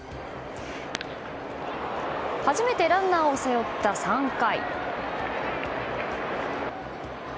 初めてランナーを背負った３回。